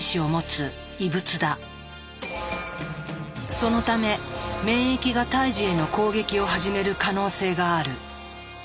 そのため免疫が胎児への攻撃を始める可能性がある。